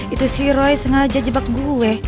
itu si roy sengaja jebak gue